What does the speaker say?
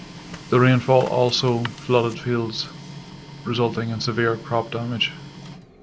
The rainfall also flooded fields, resulting in severe crop damage.